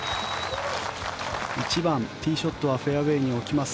１番、ティーショットはフェアウェーに置きます。